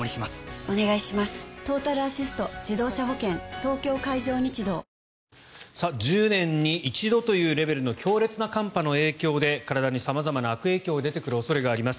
東京海上日動１０年に一度というレベルの強烈な寒波の影響で体に様々な悪影響が出てくる恐れがあります。